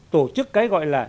tổ chức cái gọi là